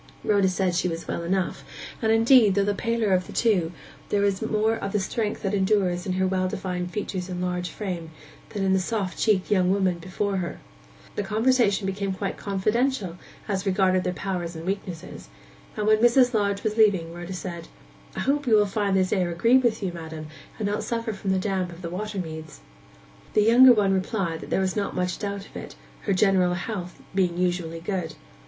Rhoda said she was well enough; and, indeed, though the paler of the two, there was more of the strength that endures in her well defined features and large frame, than in the soft cheeked young woman before her. The conversation became quite confidential as regarded their powers and weaknesses; and when Mrs. Lodge was leaving, Rhoda said, 'I hope you will find this air agree with you, ma'am, and not suffer from the damp of the water meads.' The younger one replied that there was not much doubt of it, her general health being usually good.